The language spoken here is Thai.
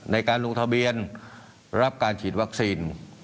ในการลงทะเบียนรับการฉีดวัคซีน